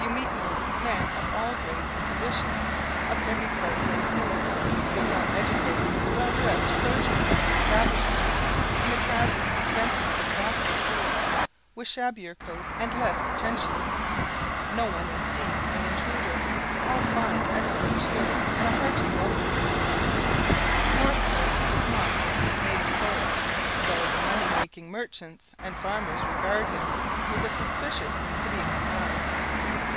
You meet there men of all grades and conditions, of every party and creed, the well educated, well dressed clergymen of the Establishment, and the travelling dispensers of gospel truths, with shabbier coats and less pretensions. No one is deemed an intruder all find excellent cheer, and a hearty welcome. Northport does not want its native poet, though the money making merchants and farmers regard him with a suspicious and pitying eye.